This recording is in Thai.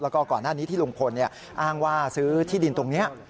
แล้วก็ก่อนหน้านี้ที่ลุงพลอ้างว่าซื้อที่ดินตรงนี้